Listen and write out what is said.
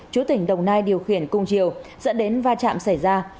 chú tỉnh đồng nai điều khiển cùng chiều dẫn đến va chạm xảy ra